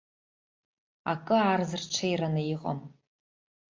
Акы аарзырҽеираны иҟам.